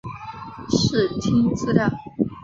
视听资料